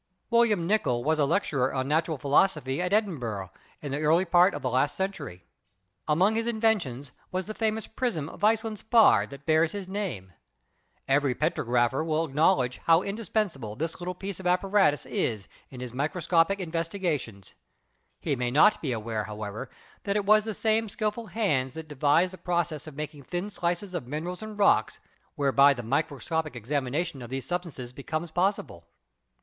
William Nicol was a lecturer on Natural Philosophy at Edinburgh in the early part of last century. Among his inventions was the famous prism of Iceland spar that bears his name. Every petrographer will acknowledge how in dispensable this little piece of apparatus is in his micro scopic investigations. He may not be aware, however, that it was the same skilful hand that devised the process of making thin slices of minerals and rocks, whereby the microscopic examination of these substances become pos sible.